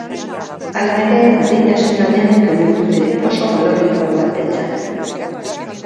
Hala ere, berdintasuna denek omen dute oso balore inportantetzat.